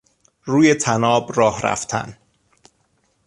روی طناب راه رفتن